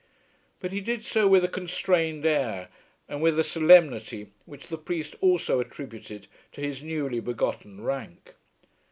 But he did so with a constrained air and with a solemnity which the priest also attributed to his newly begotten rank.